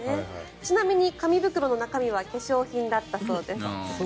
ちなみに紙袋の中身は化粧品だったそうです。